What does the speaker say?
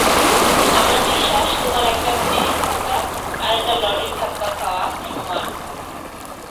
আমার বিশ্বাস, তোমার একটা ঘুষির ধাক্কা আর একটা লরির ধাক্কা খাওয়া সমান।